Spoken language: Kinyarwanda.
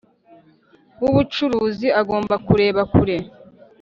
w’ubucuruzi agomba kureba kure